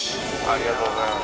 ありがとうございます。